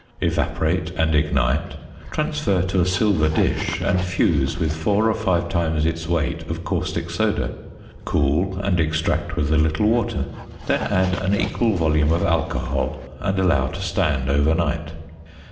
Evaporate and ignite, transfer to a silver dish, and fuse with four or five times its weight of caustic soda, cool and extract with a little water, then add an equal volume of alcohol, and allow to stand overnight.